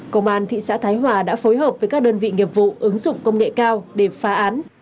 công an thị xã thái hòa đã phối hợp với các đơn vị nghiệp vụ ứng dụng công nghệ cao để phá án